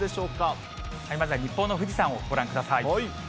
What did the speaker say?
まずは日本の富士山をご覧ください。